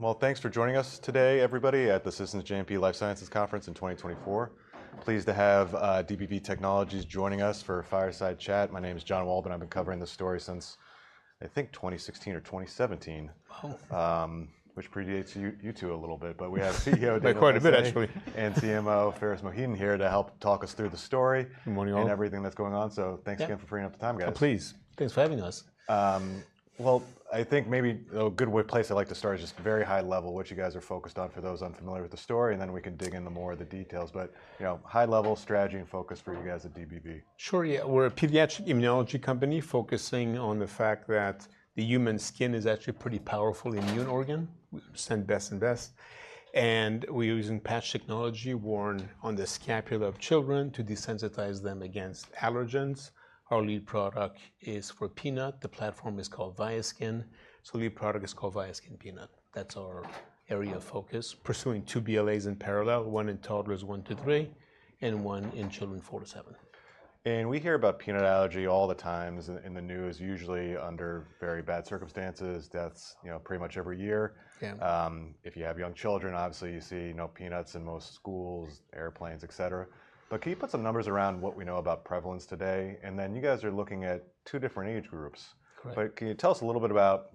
Well, thanks for joining us today, everybody, at the Citizens JMP Life Sciences conference in 2024. Pleased to have DBV Technologies joining us for a fireside chat. My name is Jon Wolleben, and I've been covering this story since, I think, 2016 or 2017, which predates you two a little bit. But we have CEO DBV. By quite a bit, actually. CMO Pharis Mohideen here to help talk us through the story. Good morning, all. And everything that's going on. So thanks again for freeing up the time, guys. Oh, please. Thanks for having us. Well, I think maybe a good place I'd like to start is just very high level, what you guys are focused on for those unfamiliar with the story, and then we can dig into more of the details. But high level, strategy and focus for you guys at DBV. Sure. Yeah. We're a pediatric immunology company focusing on the fact that the human skin is actually a pretty powerful immune organ. We're using patch technology worn on the scapula of children to desensitize them against allergens. Our lead product is for peanut. The platform is called Viaskin. So the lead product is called Viaskin Peanut. That's our area of focus, pursuing 2 BLAs in parallel, 1 in toddlers 1-3, and 1 in children 4-7. We hear about peanut allergy all the time. In the news, usually under very bad circumstances, deaths pretty much every year. If you have young children, obviously you see peanuts in most schools, airplanes, etc. Can you put some numbers around what we know about prevalence today? Then you guys are looking at two different age groups. Can you tell us a little bit about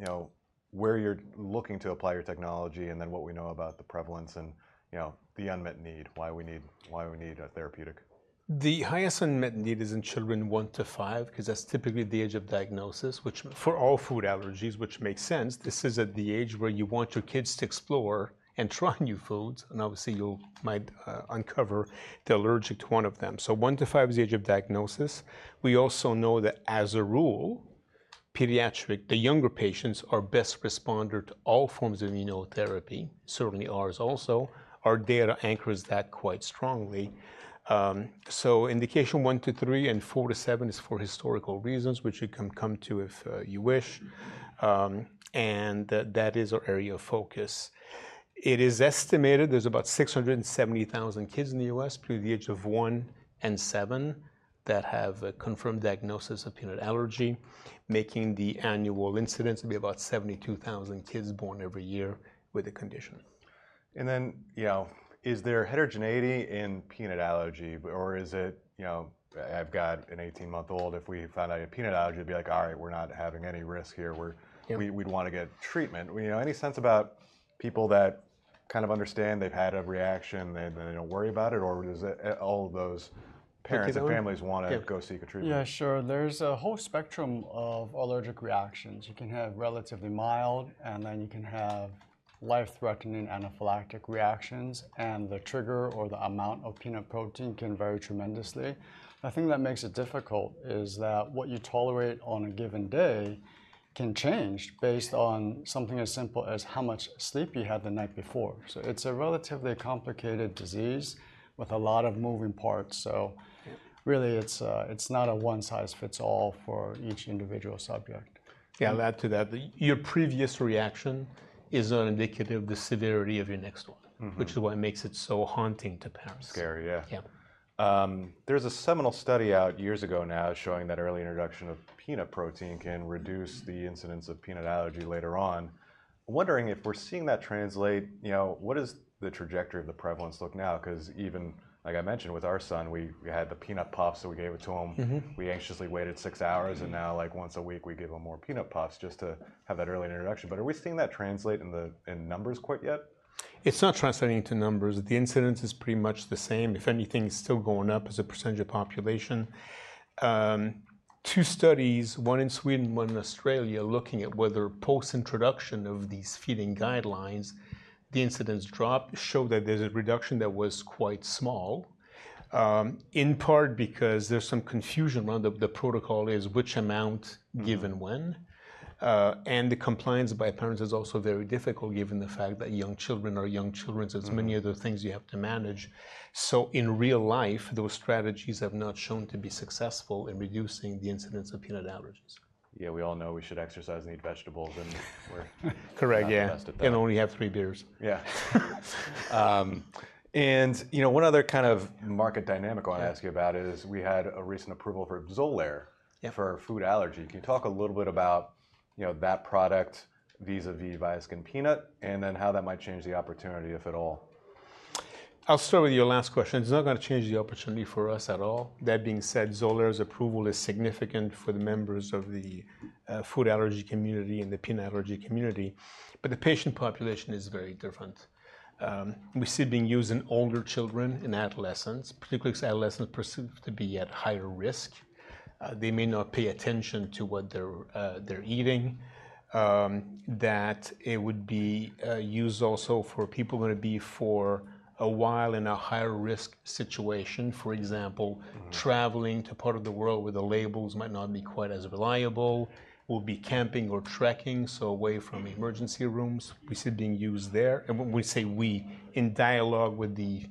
where you're looking to apply your technology and then what we know about the prevalence and the unmet need, why we need a therapeutic? The highest unmet need is in children 1-5, because that's typically the age of diagnosis, which for all food allergies, which makes sense, this is at the age where you want your kids to explore and try new foods. And obviously you might uncover the allergy to one of them. So 1-5 is the age of diagnosis. We also know that as a rule, pediatric, the younger patients are best responders to all forms of immunotherapy, certainly ours also. Our data anchors that quite strongly. So indication 1-3 and 4-7 is for historical reasons, which you can come to if you wish. And that is our area of focus. It is estimated there's about 670,000 kids in the U.S. through the age of 1 and 7 that have a confirmed diagnosis of peanut allergy, making the annual incidence to be about 72,000 kids born every year with the condition. And then is there heterogeneity in peanut allergy, or is it I've got an 18-month-old. If we found out he had peanut allergy, it'd be like, all right, we're not having any risk here. We'd want to get treatment. Any sense about people that kind of understand they've had a reaction and they don't worry about it, or do all of those parents and families want to go seek a treatment? Yeah, sure. There's a whole spectrum of allergic reactions. You can have relatively mild, and then you can have life-threatening anaphylactic reactions. The trigger or the amount of peanut protein can vary tremendously. The thing that makes it difficult is that what you tolerate on a given day can change based on something as simple as how much sleep you had the night before. So it's a relatively complicated disease with a lot of moving parts. So really, it's not a one-size-fits-all for each individual subject. Yeah, I'll add to that. Your previous reaction is not indicative of the severity of your next one, which is why it makes it so haunting to parents. Scary, yeah. There's a seminal study out years ago now showing that early introduction of peanut protein can reduce the incidence of peanut allergy later on. Wondering if we're seeing that translate, what does the trajectory of the prevalence look now? Because even, like I mentioned, with our son, we had the peanut puffs, so we gave it to him. We anxiously waited six hours, and now once a week we give him more peanut puffs just to have that early introduction. But are we seeing that translate in numbers quite yet? It's not translating into numbers. The incidence is pretty much the same. If anything, it's still going up as a percentage of population. Two studies, one in Sweden and one in Australia, looking at whether post-introduction of these feeding guidelines, the incidence dropped showed that there's a reduction that was quite small, in part because there's some confusion around the protocol is which amount given when. And the compliance by parents is also very difficult given the fact that young children are young children. So there's many other things you have to manage. So in real life, those strategies have not shown to be successful in reducing the incidence of peanut allergies. Yeah, we all know we should exercise and eat vegetables, and we're correct, yeah. Correct. And only have three beers. Yeah. And one other kind of market dynamic I want to ask you about is we had a recent approval for Xolair for food allergy. Can you talk a little bit about that product vis-à-vis Viaskin Peanut and then how that might change the opportunity, if at all? I'll start with your last question. It's not going to change the opportunity for us at all. That being said, Xolair's approval is significant for the members of the food allergy community and the peanut allergy community. But the patient population is very different. We see it being used in older children and adolescents, particularly because adolescents perceive to be at higher risk. They may not pay attention to what they're eating. That it would be used also for people going to be for a while in a higher risk situation, for example, traveling to part of the world where the labels might not be quite as reliable, will be camping or trekking, so away from emergency rooms. We see it being used there. And when we say we, in dialogue with the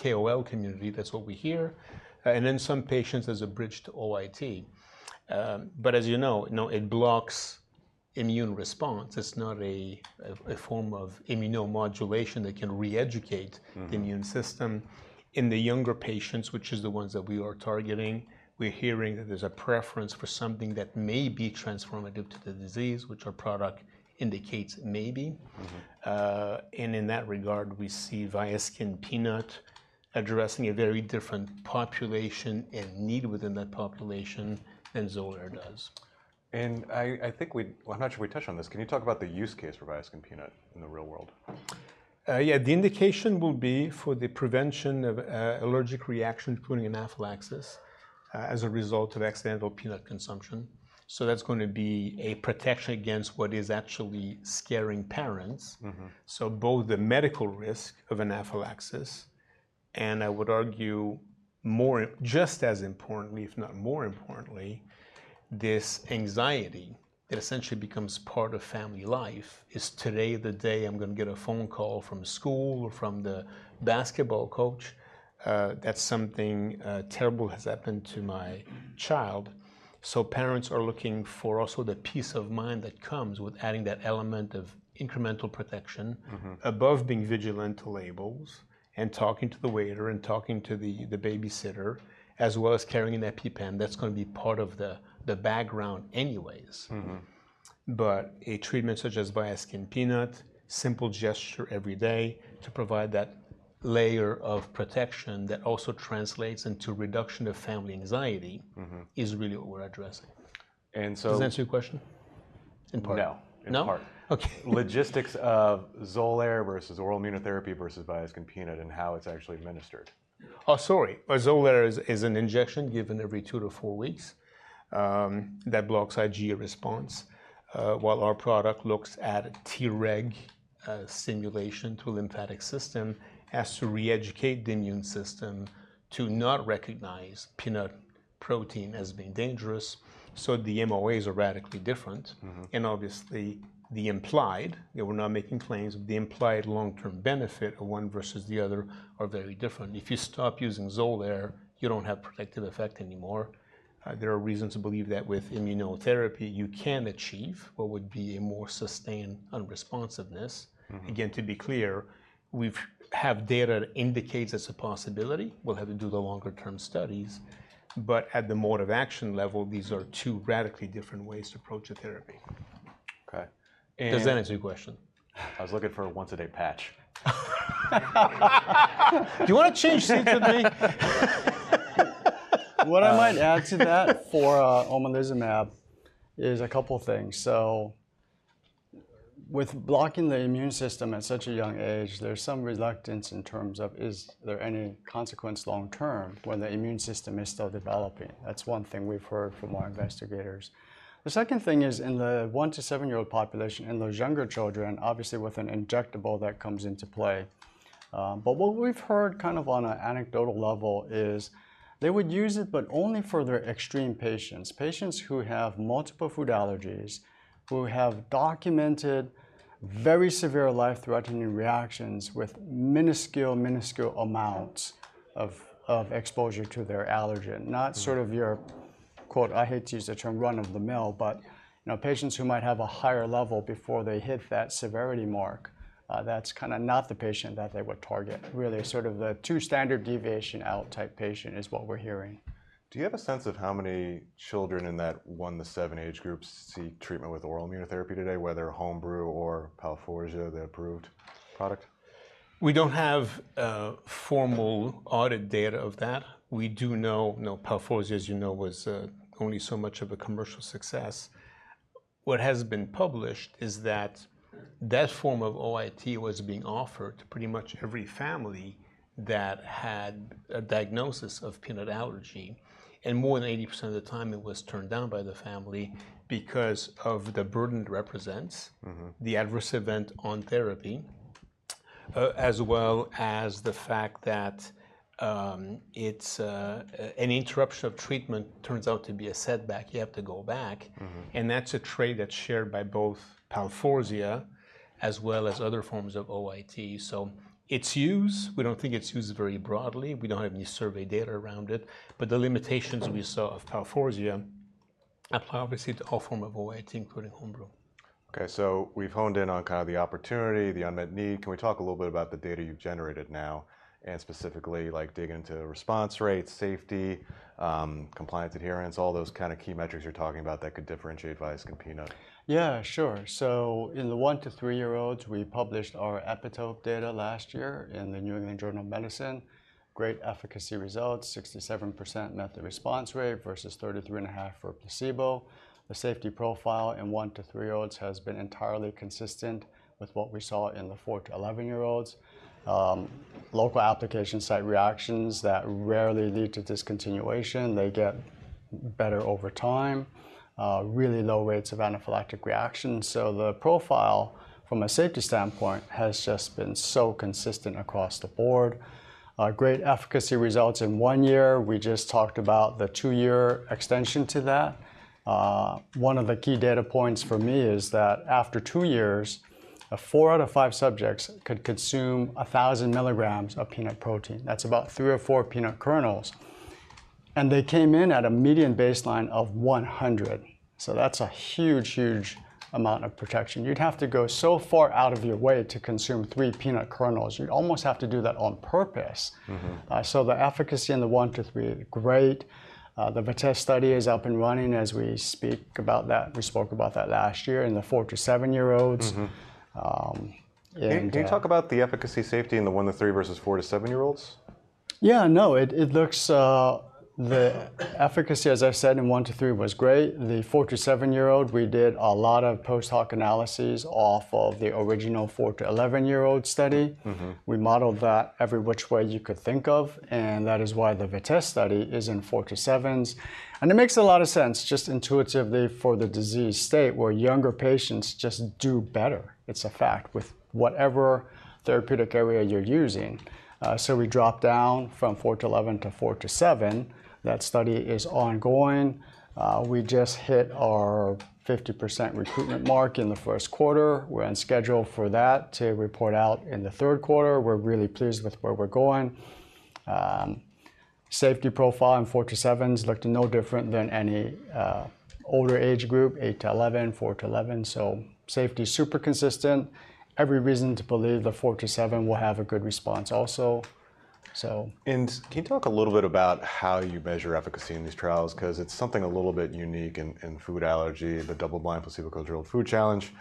KOL community, that's what we hear. And then some patients as a bridge to OIT. But as you know, it blocks immune response. It's not a form of immunomodulation that can reeducate the immune system. In the younger patients, which is the ones that we are targeting, we're hearing that there's a preference for something that may be transformative to the disease, which our product indicates maybe. And in that regard, we see Viaskin Peanut addressing a very different population and need within that population than Xolair does. I'm not sure we touched on this. Can you talk about the use case for Viaskin Peanut in the real world? Yeah. The indication will be for the prevention of allergic reactions, including anaphylaxis, as a result of accidental peanut consumption. So that's going to be a protection against what is actually scaring parents. So both the medical risk of anaphylaxis and, I would argue, just as importantly, if not more importantly, this anxiety that essentially becomes part of family life is today the day I'm going to get a phone call from school or from the basketball coach that something terrible has happened to my child. So parents are looking for also the peace of mind that comes with adding that element of incremental protection, above being vigilant to labels and talking to the waiter and talking to the babysitter, as well as carrying an EpiPen. That's going to be part of the background anyways. But a treatment such as Viaskin Peanut, simple gesture every day to provide that layer of protection that also translates into reduction of family anxiety, is really what we're addressing. Does that answer your question, in part? No, in part. No? OK. Logistics of Xolair versus oral immunotherapy versus Viaskin Peanut and how it's actually administered. Oh, sorry. Xolair is an injection given every 2-4 weeks. That blocks IgE response. While our product looks at a Treg stimulation to the lymphatic system as to reeducate the immune system to not recognize peanut protein as being dangerous. So the MOAs are radically different. And obviously, the implied we're not making claims, but the implied long-term benefit of one versus the other are very different. If you stop using Xolair, you don't have a protective effect anymore. There are reasons to believe that with immunotherapy, you can achieve what would be a more sustained unresponsiveness. Again, to be clear, we have data that indicates it's a possibility. We'll have to do the longer-term studies. But at the mode of action level, these are two radically different ways to approach a therapy. OK. Does that answer your question? I was looking for a once-a-day patch. Do you want to change seats with me? What I might add to that for omalizumab is a couple of things. So with blocking the immune system at such a young age, there's some reluctance in terms of is there any consequence long-term when the immune system is still developing? That's one thing we've heard from our investigators. The second thing is in the 1-7-year-old population, in those younger children, obviously with an injectable that comes into play. But what we've heard kind of on an anecdotal level is they would use it, but only for their extreme patients, patients who have multiple food allergies, who have documented very severe life-threatening reactions with minuscule, minuscule amounts of exposure to their allergen, not sort of your quote, I hate to use the term, run-of-the-mill, but patients who might have a higher level before they hit that severity mark. That's kind of not the patient that they would target, really. Sort of the two-standard deviation out type patient is what we're hearing. Do you have a sense of how many children in that 1-7 age group see treatment with oral immunotherapy today, whether home brew or Palforza, the approved product? We don't have formal audit data of that. We do know Palforza, as you know, was only so much of a commercial success. What has been published is that that form of OIT was being offered to pretty much every family that had a diagnosis of peanut allergy. And more than 80% of the time it was turned down by the family because of the burden it represents, the adverse event on therapy, as well as the fact that an interruption of treatment turns out to be a setback. You have to go back. And that's a trait that's shared by both Palforza as well as other forms of OIT. So it's used. We don't think it's used very broadly. We don't have any survey data around it. But the limitations we saw of Palforza apply obviously to all forms of OIT, including home brew. OK. So we've honed in on kind of the opportunity, the unmet need. Can we talk a little bit about the data you've generated now, and specifically dig into response rates, safety, compliance adherence, all those kind of key metrics you're talking about that could differentiate Viaskin Peanut? Yeah, sure. So in the 1- to 3-year-olds, we published our EPITOPE data last year in the New England Journal of Medicine. Great efficacy results, 67% met the response rate versus 33.5% for placebo. The safety profile in 1- to 3-year-olds has been entirely consistent with what we saw in the 4- to 11-year-olds. Local application site reactions that rarely lead to discontinuation, they get better over time, really low rates of anaphylactic reaction. So the profile, from a safety standpoint, has just been so consistent across the board. Great efficacy results in 1 year. We just talked about the 2-year extension to that. One of the key data points for me is that after 2 years, 4 out of 5 subjects could consume 1,000 mg of peanut protein. That's about 3 or 4 peanut kernels. And they came in at a median baseline of 100. So that's a huge, huge amount of protection. You'd have to go so far out of your way to consume three peanut kernels. You'd almost have to do that on purpose. So the efficacy in the one to three, great. The VITESSE study is up and running as we speak about that. We spoke about that last year in the four to seven-year-olds. Can you talk about the efficacy safety in the 1-3 versus 4-7-year-olds? Yeah, no. The efficacy, as I said, in 1-3 was great. The 4- to 7-year-old, we did a lot of post-hoc analyses off of the original 4- to 11-year-old study. We modeled that every which way you could think of. And that is why the VITESSE study is in 4- to 7s. And it makes a lot of sense, just intuitively for the disease state, where younger patients just do better. It's a fact with whatever therapeutic area you're using. So we dropped down from 4-11 to 4-7. That study is ongoing. We just hit our 50% recruitment mark in the first quarter. We're on schedule for that to report out in the third quarter. We're really pleased with where we're going. Safety profile in 4- to 7s looked no different than any older age group, 8-11, 4-11. Safety is super consistent. Every reason to believe the 4-7 will have a good response also. Can you talk a little bit about how you measure efficacy in these trials? Because it's something a little bit unique in food allergy, the double-blind placebo-controlled food challenge,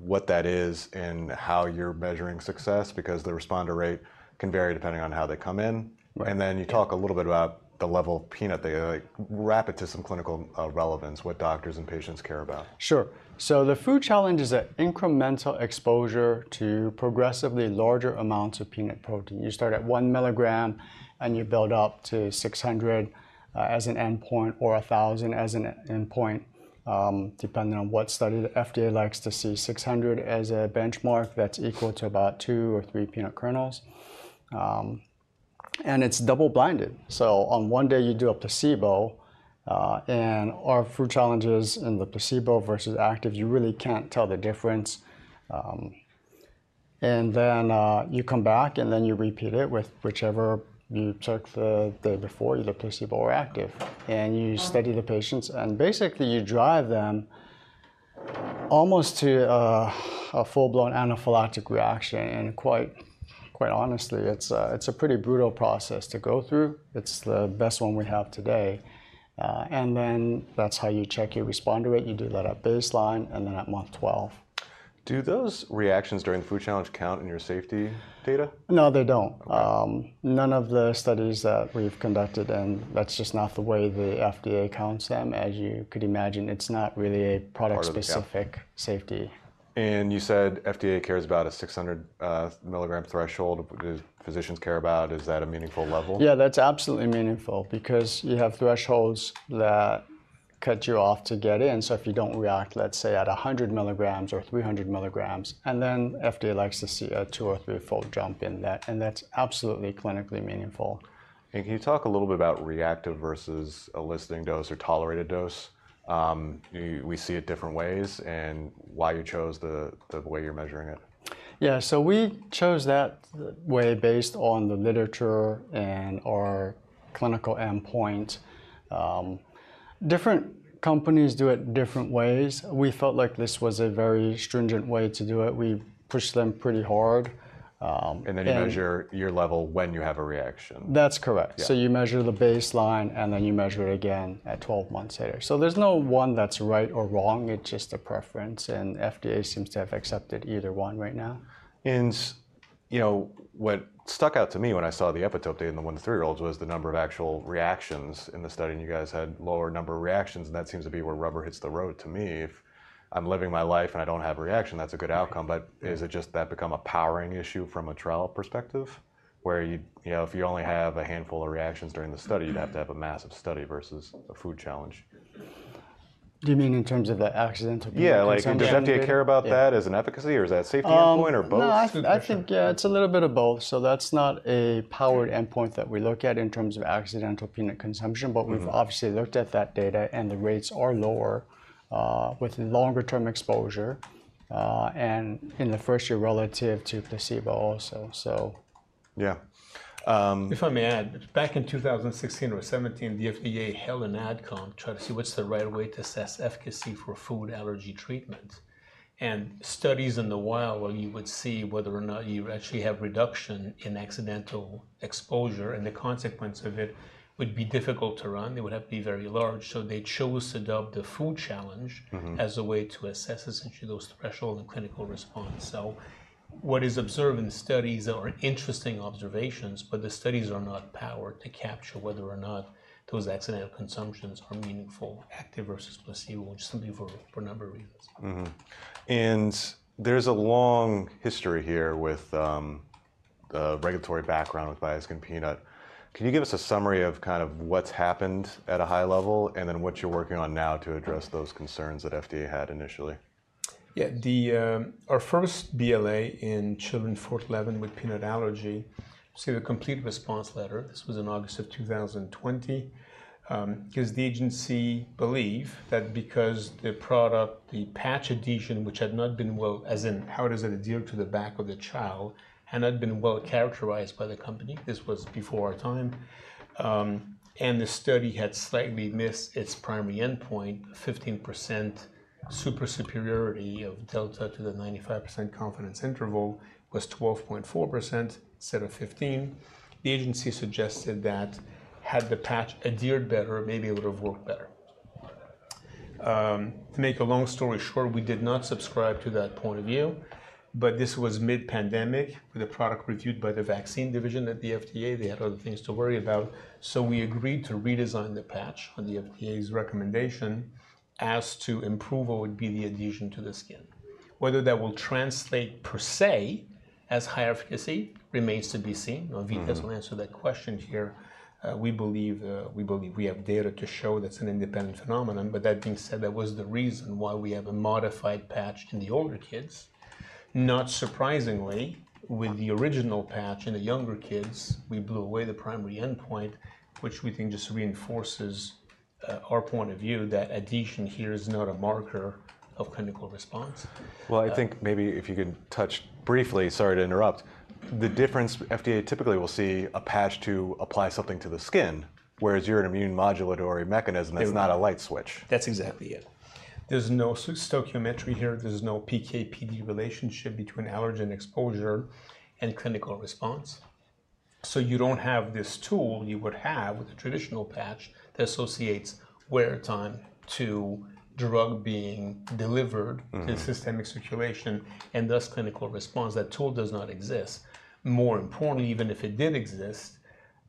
what that is and how you're measuring success, because the responder rate can vary depending on how they come in. Then you talk a little bit about the level of peanut they eat. Wrap it to some clinical relevance, what doctors and patients care about. Sure. So the food challenge is an incremental exposure to progressively larger amounts of peanut protein. You start at 1 mg, and you build up to 600 as an endpoint or 1,000 as an endpoint, depending on what study the FDA likes to see, 600 as a benchmark that's equal to about two or three peanut kernels. And it's double-blind. So on one day, you do a placebo. And our food challenge is in the placebo versus active. You really can't tell the difference. And then you come back, and then you repeat it with whichever you took the day before, either placebo or active. And you study the patients. And basically, you drive them almost to a full-blown anaphylactic reaction. And quite honestly, it's a pretty brutal process to go through. It's the best one we have today. And then that's how you check your responder rate. You do that at baseline and then at month 12. Do those reactions during the food challenge count in your safety data? No, they don't. None of the studies that we've conducted, that's just not the way the FDA counts them. As you could imagine, it's not really a product-specific safety. You said FDA cares about a 600 mg threshold. Do physicians care about? Is that a meaningful level? Yeah, that's absolutely meaningful, because you have thresholds that cut you off to get in. So if you don't react, let's say, at 100 mg or 300 mg, and then FDA likes to see a 2- or 3-fold jump in that. And that's absolutely clinically meaningful. Can you talk a little bit about reactive versus a listening dose or tolerated dose? We see it different ways. Why you chose the way you're measuring it? Yeah. So we chose that way based on the literature and our clinical endpoint. Different companies do it different ways. We felt like this was a very stringent way to do it. We pushed them pretty hard. And then you measure your level when you have a reaction. That's correct. So you measure the baseline, and then you measure it again at 12 months later. So there's no one that's right or wrong. It's just a preference. And FDA seems to have accepted either one right now. What stuck out to me when I saw the EPITOPE data in the 1- to 3-year-olds was the number of actual reactions in the study. You guys had a lower number of reactions. That seems to be where rubber hits the road to me. If I'm living my life and I don't have a reaction, that's a good outcome. But is it just that become a powering issue from a trial perspective, where if you only have a handful of reactions during the study, you'd have to have a massive study versus a food challenge? Do you mean in terms of the accidental peanut consumption? Yeah. Does FDA care about that as an efficacy, or is that a safety endpoint, or both? No, I think, yeah, it's a little bit of both. So that's not a powered endpoint that we look at in terms of accidental peanut consumption. But we've obviously looked at that data, and the rates are lower with longer-term exposure and in the first year relative to placebo also. Yeah. If I may add, back in 2016 or 2017, the FDA held an ad comm trying to see what's the right way to assess efficacy for food allergy treatment. Studies in the wild, well, you would see whether or not you actually have reduction in accidental exposure. The consequence of it would be difficult to run. They would have to be very large. So they chose to use the food challenge as a way to assess essentially those thresholds and clinical response. So what is observed in studies are interesting observations, but the studies are not powered to capture whether or not those accidental consumptions are meaningful, active versus placebo, or just simply for a number of reasons. There's a long history here with the regulatory background with Viaskin Peanut. Can you give us a summary of kind of what's happened at a high level and then what you're working on now to address those concerns that FDA had initially? Yeah. Our first BLA in children 4-11 with peanut allergy, we received a Complete Response Letter. This was in August of 2020, because the agency believed that because the product, the patch adhesion, which had not been well as in how does it adhere to the back of the child, had not been well characterized by the company, this was before our time. And the study had slightly missed its primary endpoint. 15% super superiority of delta to the 95% confidence interval was 12.4% instead of 15%. The agency suggested that had the patch adhered better, it maybe would have worked better. To make a long story short, we did not subscribe to that point of view. But this was mid-pandemic, with a product reviewed by the vaccine division at the FDA. They had other things to worry about. So we agreed to redesign the patch on the FDA's recommendation as to improve what would be the adhesion to the skin. Whether that will translate per se as higher efficacy remains to be seen. Now, VITESSE will answer that question here. We believe we have data to show that's an independent phenomenon. But that being said, that was the reason why we have a modified patch in the older kids. Not surprisingly, with the original patch in the younger kids, we blew away the primary endpoint, which we think just reinforces our point of view that adhesion here is not a marker of clinical response. Well, I think maybe if you could touch briefly, sorry to interrupt. The difference: FDA typically will see a patch to apply something to the skin, whereas you're an immune modulatory mechanism. That's not a light switch. That's exactly it. There's no stoichiometry here. There's no PK/PD relationship between allergen exposure and clinical response. So you don't have this tool you would have with a traditional patch that associates wear time to drug being delivered to systemic circulation and thus clinical response. That tool does not exist. More importantly, even if it did exist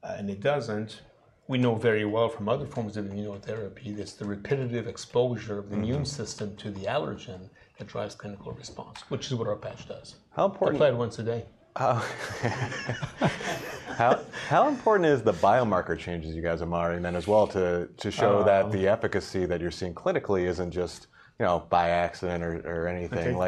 and it doesn't, we know very well from other forms of immunotherapy that's the repetitive exposure of the immune system to the allergen that drives clinical response, which is what our patch does. How important? Applied once a day. How important is the biomarker changes you guys are modeling then as well to show that the efficacy that you're seeing clinically isn't just by accident or anything? To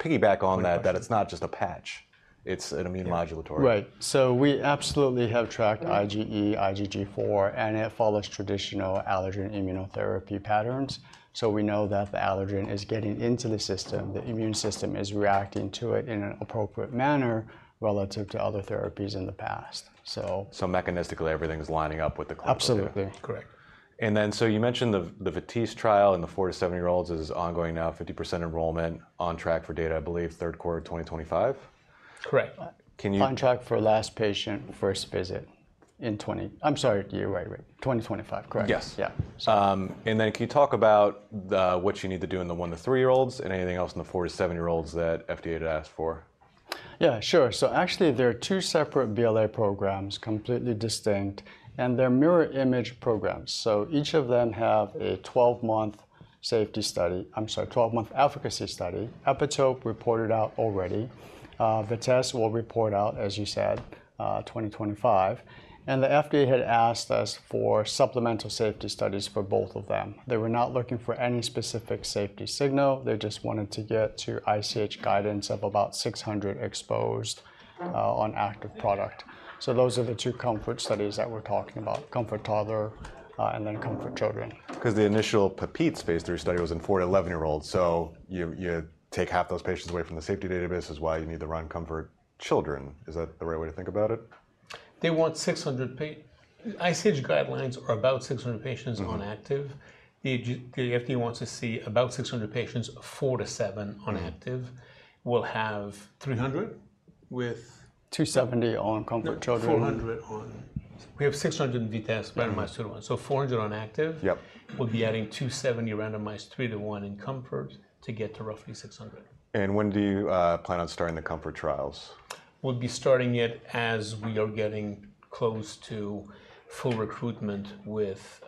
piggyback on that, that it's not just a patch. It's an immune modulatory. Right. So we absolutely have tracked IgE, IgG4, and it follows traditional allergen immunotherapy patterns. So we know that the allergen is getting into the system. The immune system is reacting to it in an appropriate manner relative to other therapies in the past. Mechanistically, everything's lining up with the clinical results. Absolutely. Correct. And then so you mentioned the VITESSE trial in the 4-7-year-olds is ongoing now, 50% enrollment, on track for data, I believe, third quarter of 2025. Correct. On track for last patient first visit in 2025, correct. Yes. Then can you talk about what you need to do in the one to three-year-olds and anything else in the four to seven-year-olds that FDA had asked for? Yeah, sure. So actually, there are two separate BLA programs, completely distinct. And they're mirror image programs. So each of them have a 12-month safety study I'm sorry, 12-month efficacy study, EPITOPE reported out already. VITESSE will report out, as you said, 2025. And the FDA had asked us for supplemental safety studies for both of them. They were not looking for any specific safety signal. They just wanted to get to ICH guidance of about 600 exposed on active product. So those are the two comfort studies that we're talking about, COMFORT Toddlers and then COMFORT Children. Because the initial PEPITES phase 3 study was in 4-11-year-olds. So you take half those patients away from the safety database is why you need to run COMFORT Children. Is that the right way to think about it? They want 600. ICH guidelines are about 600 patients on active. The FDA wants to see about 600 patients, 4-7, on active. We'll have 300 with. 270 all in COMFORT Children. 400 on, we have 600 in VITESSE randomized 2:1. So 400 on active. We'll be adding 270 randomized 2:1 in COMFORT to get to roughly 600. When do you plan on starting the COMFORT trials? We'll be starting it as we are getting close to full recruitment with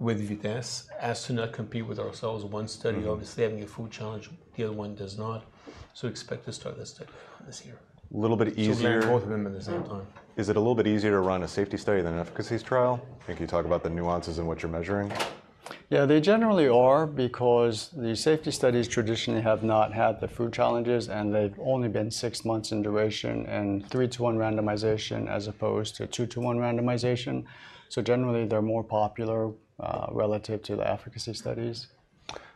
VITESSE, as to not compete with ourselves. One study, obviously, having a food challenge. The other one does not. So expect to start this study this year. A little bit easier. To run both of them at the same time. Is it a little bit easier to run a safety study than an efficacy trial? And can you talk about the nuances in what you're measuring? Yeah, they generally are, because the safety studies traditionally have not had the food challenges. They've only been six months in duration and 3-to-1 randomization as opposed to 2-to-1 randomization. Generally, they're more popular relative to the efficacy studies.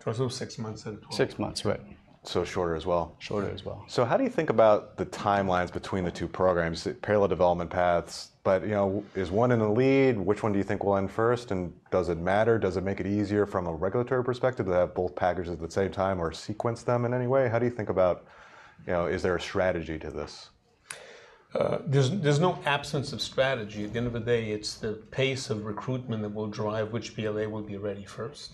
So 6 months and 12. Six months, right? So shorter as well. Shorter as well. How do you think about the timelines between the two programs, parallel development paths? Is one in the lead? Which one do you think will end first? Does it matter? Does it make it easier from a regulatory perspective to have both packages at the same time or sequence them in any way? How do you think about is there a strategy to this? There's no absence of strategy. At the end of the day, it's the pace of recruitment that will drive which BLA will be ready first.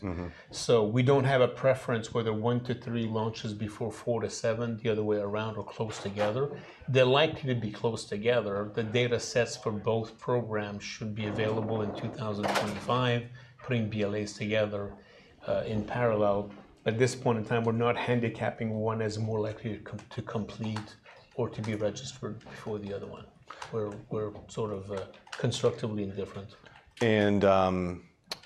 So we don't have a preference whether 1-3 launches before 4-7, the other way around, or close together. They're likely to be close together. The data sets for both programs should be available in 2025, putting BLAs together in parallel. At this point in time, we're not handicapping one as more likely to complete or to be registered before the other one. We're sort of constructively indifferent.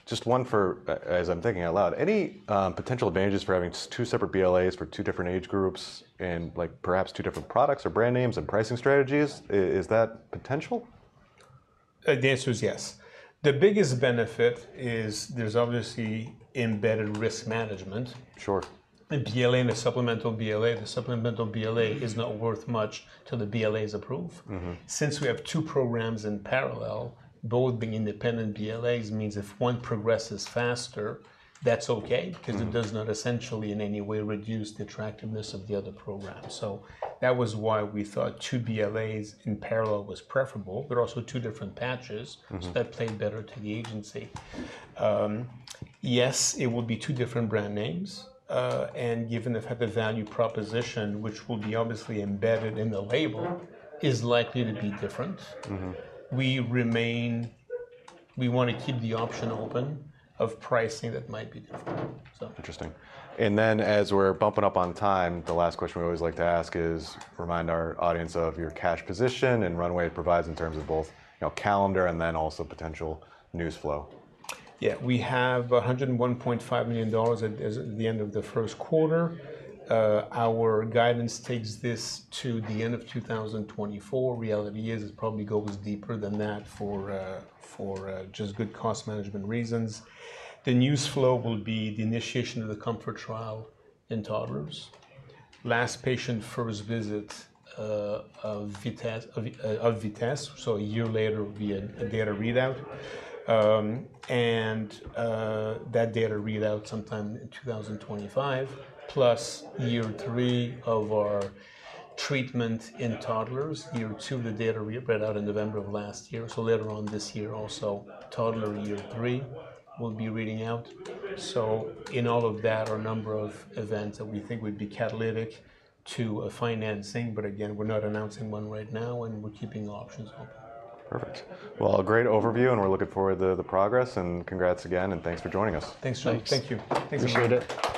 Just one more, as I'm thinking out loud, any potential advantages for having two separate BLAs for two different age groups and perhaps two different products or brand names and pricing strategies? Is that potential? The answer is yes. The biggest benefit is there's obviously embedded risk management. A supplemental BLA, the supplemental BLA is not worth much till the BLA is approved. Since we have two programs in parallel, both being independent BLAs means if one progresses faster, that's OK, because it does not essentially in any way reduce the attractiveness of the other program. So that was why we thought two BLAs in parallel was preferable. They're also two different patches. So that played better to the agency. Yes, it will be two different brand names. And given they've had the value proposition, which will be obviously embedded in the label, is likely to be different. We want to keep the option open of pricing that might be different. Interesting. And then as we're bumping up on time, the last question we always like to ask is remind our audience of your cash position and runway it provides in terms of both calendar and then also potential news flow. Yeah. We have $101.5 million at the end of the first quarter. Our guidance takes this to the end of 2024. Reality is it probably goes deeper than that for just good cost management reasons. The news flow will be the initiation of the COMFORT trial in toddlers, last patient first visit of VITESSE. So a year later will be a data readout. And that data readout sometime in 2025, plus year three of our treatment in toddlers, year two of the data read out in November of last year. So later on this year also, toddler year three will be reading out. So in all of that, our number of events that we think would be catalytic to financing but again, we're not announcing one right now. And we're keeping options open. Perfect. Well, a great overview. We're looking forward to the progress. Congrats again. Thanks for joining us. Thanks, Jon. Thank you. Thanks a lot. Appreciate it.